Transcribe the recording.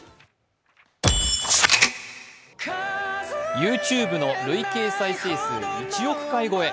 ＹｏｕＴｕｂｅの累計再生数１億回超え。